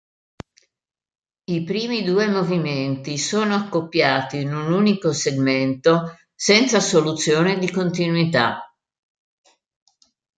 I primi due movimenti sono accoppiati in un unico segmento senza soluzione di continuità.